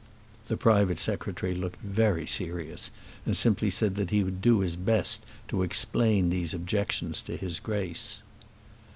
The private Secretary looked very serious, and simply said that he would do his best to explain these objections to his Grace.